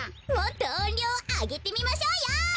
もっとおんりょうをあげてみましょうよ。